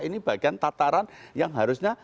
ini bagian tataran yang harusnya